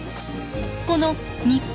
この日本